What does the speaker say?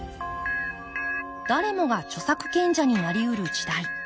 誰もが著作権者になりうる時代。